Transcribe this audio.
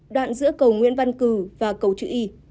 đoạn giữa cầu nguyễn văn cử và cầu chữ y